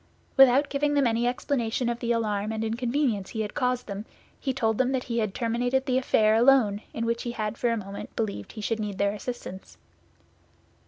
Without giving them any explanation of the alarm and inconvenience he had caused them, he told them that he had terminated the affair alone in which he had for a moment believed he should need their assistance.